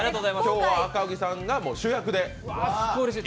今日は赤荻さんが主役で。